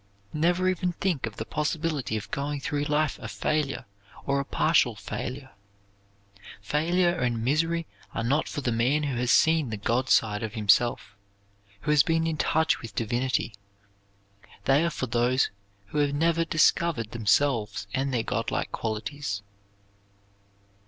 Never even think of the possibility of going through life a failure or a partial failure. Failure and misery are not for the man who has seen the God side of himself, who has been in touch with divinity. They are for those who have never discovered themselves and their God like qualities.